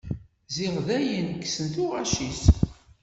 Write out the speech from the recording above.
Ziɣ dayen kksen tuɣac-is.